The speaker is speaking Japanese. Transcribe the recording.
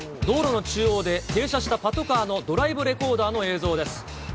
道路の中央で停車したパトカーのドライブレコーダーの映像です。